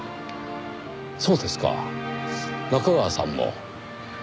そうですか中川さんも。